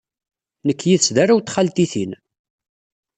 Nekk yid-s d arraw n txaltitin.